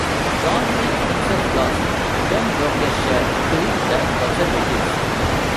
Donnelly himself lost Pembrokeshire to the Conservatives.